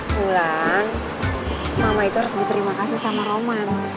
bulan mama itu harus berterima kasih sama roman